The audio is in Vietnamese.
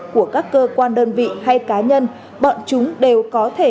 của các cơ quan đơn vị hay cá nhân bọn chúng đều có thể